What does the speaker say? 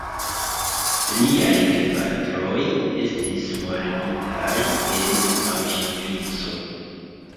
Liaj gepatroj estis murditaj en Aŭŝvico.